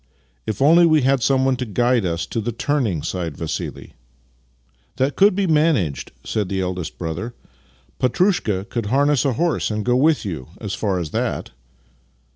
" If only we had someone to guide us to the turn ing! " sighed Vassili. " Tliat could be managed," said the eldest brother. " Petrushka could harness a horse and go with you as far as that."